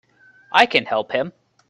I can help him!